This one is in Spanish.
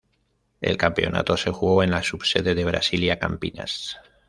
El campeonato se jugó en la subsede de Brasilia, Campinas.